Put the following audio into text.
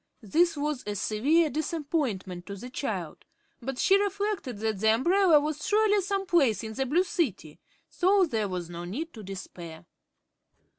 This was a severe disappointment to the child, but she reflected that the umbrella was surely some place in the Blue City, so there was no need to despair.